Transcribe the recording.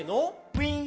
「ウィン！」